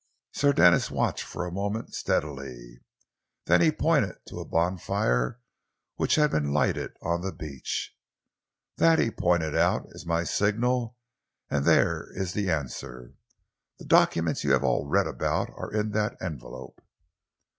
Sir Denis watched for a moment steadily. Then he pointed to a bonfire which had been lighted on the beach. "That," he pointed out, "is my signal, and there is the answer. The documents you have all read about are in that envelope."